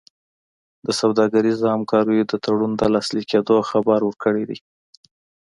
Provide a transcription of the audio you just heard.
د سوداګریزو همکاریو د تړون د لاسلیک کېدو خبر ورکړی دی.